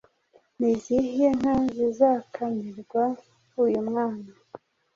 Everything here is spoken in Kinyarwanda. Ni izihe nka zizakamirwa uyu mwana?